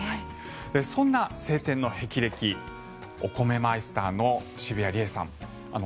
そんな青天の霹靂お米マイスターの澁谷梨絵さん。